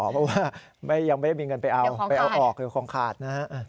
เพราะว่ายังไม่ได้มีเงินไปเอาไปเอาออกคือคงขาดนะฮะ